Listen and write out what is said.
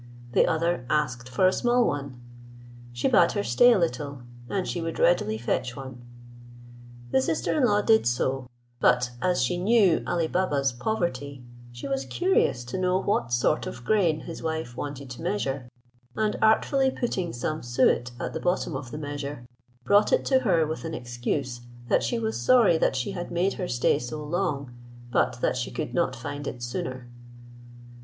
The other asked for a small one. She bade her stay a little, and she would readily fetch one. The sister in law did so, but as she knew Ali Baba's poverty, she was curious to know what sort of grain his wife wanted to measure, and artfully putting some suet at the bottom of the measure, brought it to her with an excuse, that she was sorry that she had made her stay so long, but that she could not find it sooner.